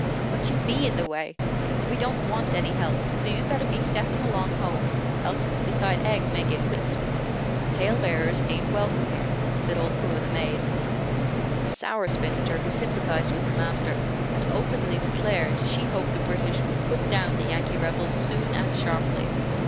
"But you be in the way. We don't want any help, so you'd better be steppin' along home, else suthin' besides eggs may git whipped. Tale bearers ain't welcome here," said old Puah, the maid, a sour spinster, who sympathized with her master, and openly declared she hoped the British would put down the Yankee Rebels soon and sharply.